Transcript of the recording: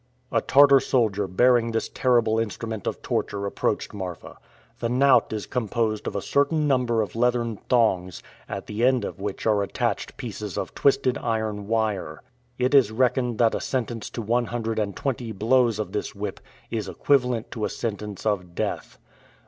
A Tartar soldier bearing this terrible instrument of torture approached Marfa. The knout is composed of a certain number of leathern thongs, at the end of which are attached pieces of twisted iron wire. It is reckoned that a sentence to one hundred and twenty blows of this whip is equivalent to a sentence of death.